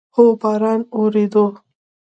هو، باران اوورېدو